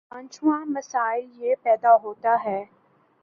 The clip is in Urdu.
پانچواں مسئلہ یہ پیدا ہوتا ہے